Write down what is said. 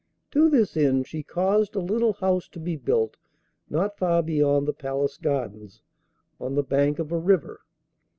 To this end she caused a little house to be built not far beyond the Palace gardens, on the bank of a river.